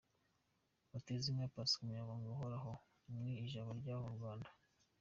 Mutezinka Prisca umunyamabanga uhoraho mu Ijabo Ryawe Rwanda.